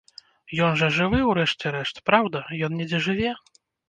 Ён жа жывы, у рэшце рэшт, праўда, ён недзе жыве?